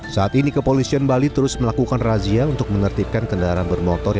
saat ini kepolisian bali terus melakukan razia untuk menertibkan kendaraan bermotor